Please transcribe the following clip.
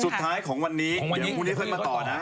สุดท้ายของวันนี้เดี๋ยวพูดให้เข้ามาต่อนะฮะ